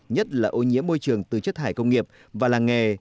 nhất là ô nhiễm môi trường từ chất thải công nghiệp và làng nghề